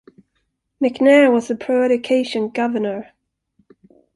McNair was a pro-education governor.